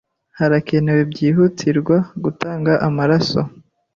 Harakenewe byihutirwa gutanga amaraso.